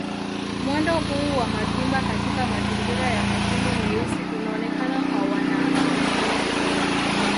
Mwendo huu wa magimba katika mazingira ya mashimo meusi unaonekana kwa wanaastronomia.